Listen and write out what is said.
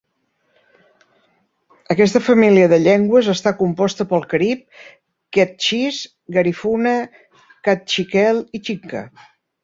Aquesta família de llengües està composta pel carib, kektxís, garifuna, kaqtxikel i xinca.